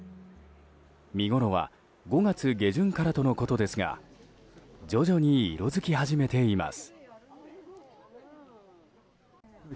見ごろは５月下旬からとのことですが徐々に色づき始めています。